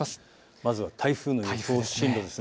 まずは台風の予想進路です。